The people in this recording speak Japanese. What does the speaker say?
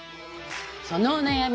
そのお悩み